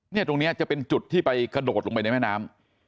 ตรงนี้จะเป็นจุดที่ไปกระโดดลงไปในแม่น้ำ